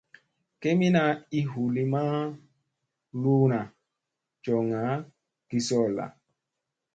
Kemina ii hu Lima luuna, joŋga, gi soolla.